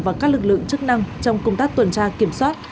và các lực lượng chức năng trong công tác tuần tra kiểm soát